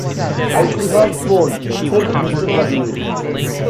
"I could have sworn —" said Mr. W..